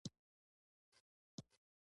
ويټامينونه د انسان د بدن لپاره اړين دي.